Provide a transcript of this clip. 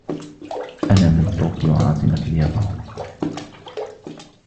أنا من طوكيو عاصمة اليابان.